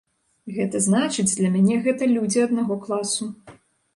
Гэта значыць, для мяне гэта людзі аднаго класу.